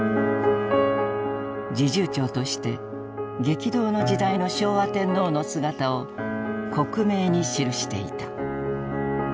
侍従長として激動の時代の昭和天皇の姿を克明に記していた。